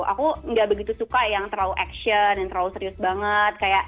aku nggak begitu suka yang terlalu action yang terlalu serius banget